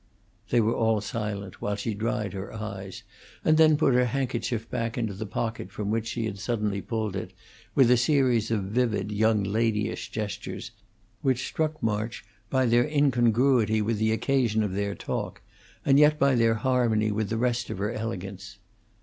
They were all silent, while she dried her eyes and then put her handkerchief back into the pocket from which she had suddenly pulled it, with a series of vivid, young ladyish gestures, which struck March by their incongruity with the occasion of their talk, and yet by their harmony with the rest of her elegance.